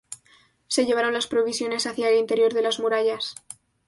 Se llevaron las provisiones hacia el interior de las murallas.